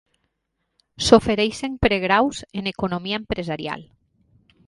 S'ofereixen pregraus en economia empresarial.